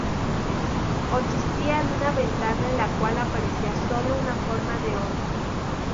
Consistía en una ventana en la cual aparecía sólo una forma de onda.